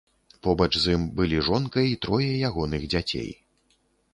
Побач з ім былі жонка і трое ягоных дзяцей.